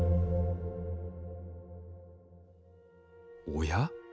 おや？